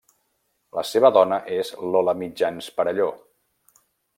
La seva dona és Lola Mitjans Perelló.